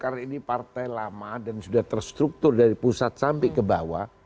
karena golkar ini partai lama dan sudah terstruktur dari pusat samping itu tadi silahkan bang ritwan dijawab